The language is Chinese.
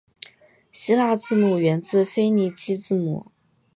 希腊字母源自腓尼基字母。